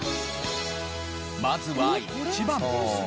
まずは１番。